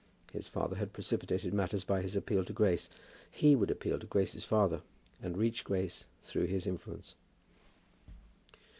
His father had precipitated matters by his appeal to Grace. He would appeal to Grace's father, and reach Grace through his influence.